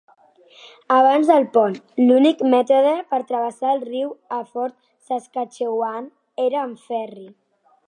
Abans del pont, l'únic mètode per travessar el riu a Fort Saskatchewan era amb ferri.